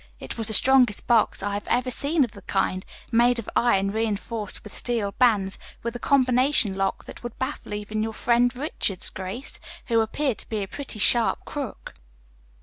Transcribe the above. It was the strongest box I have ever seen of the kind, made of iron reinforced with steel bands, with a combination lock that would baffle even your friend, Richards, Grace, who appeared to be a pretty sharp crook."